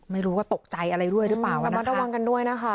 ไม่รู้ว่าตกใจอะไรด้วยหรือเปล่าระมัดระวังกันด้วยนะคะ